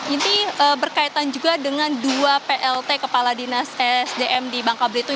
ini berkaitan juga dengan dua plt kepala dinas esdm di bangka belitung